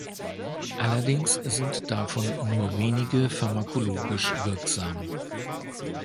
Allerdings sind davon nur wenige pharmakologisch wirksam.